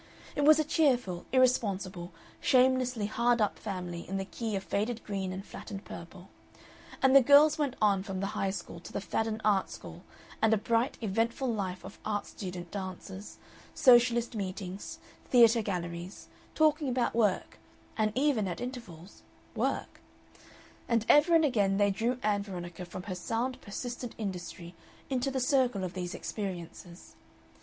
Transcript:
It was a cheerful, irresponsible, shamelessly hard up family in the key of faded green and flattened purple, and the girls went on from the High School to the Fadden Art School and a bright, eventful life of art student dances, Socialist meetings, theatre galleries, talking about work, and even, at intervals, work; and ever and again they drew Ann Veronica from her sound persistent industry into the circle of these experiences.